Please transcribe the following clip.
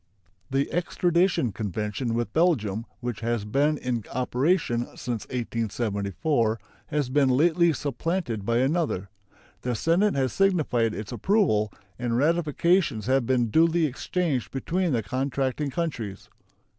The extradition convention with Belgium, which has been in operation since 1874, has been lately supplanted by another. The Senate has signified its approval, and ratifications have been duly exchanged between the contracting countries.